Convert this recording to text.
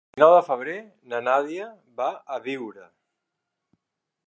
El vint-i-nou de febrer na Nàdia va a Biure.